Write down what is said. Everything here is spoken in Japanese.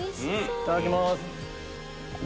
いただきます。